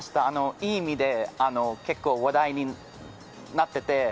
いい意味で結構話題になってて。